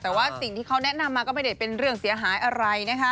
แต่ว่าสิ่งที่เขาแนะนำมาก็ไม่ได้เป็นเรื่องเสียหายอะไรนะคะ